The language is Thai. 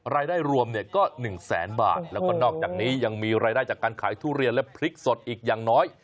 รายได้รวมเนี่ยก็๑แสนบาทแล้วก็นอกจากนี้ยังมีรายได้จากการขายทุเรียนและพริกสดอีกอย่างน้อย